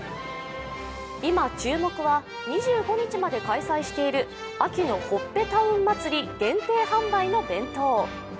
今注目は２５日まで開催している秋のほっぺタウン祭限定販売の弁当。